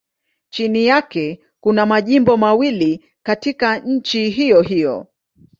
Chini yake kuna majimbo mawili katika nchi hiyohiyo.